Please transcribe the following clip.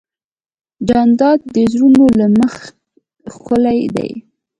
جانداد د زړونو له مخې ښکلی دی.